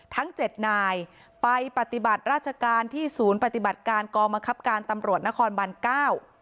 ทั้งเจ็ดนายไปปฏิบัติราชการที่ศูนย์ปฏิบัติการกองบังคับการตำรวจนครบันเก้า